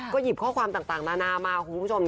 ก็หยิบข้อความต่างนานามาคุณผู้ชม